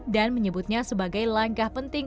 dan menyebutnya sebagai langkah penting